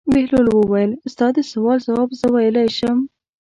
بهلول وویل: ستا د سوال ځواب زه ویلای شم.